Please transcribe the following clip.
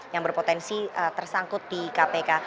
yang berpotensi tersangkut di kpk